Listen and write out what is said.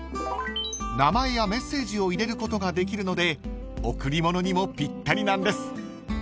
［名前やメッセージを入れることができるので贈り物にもぴったりなんです］